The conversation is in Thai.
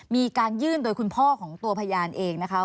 มีการยื่นโดยคุณพ่อของตัวพยานเองนะคะ